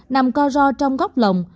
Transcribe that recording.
nằm co ro trong góc lồng